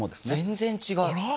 全然違う。